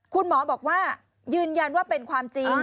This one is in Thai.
คุณหมอบอกว่ายืนยันว่าเป็นความจริง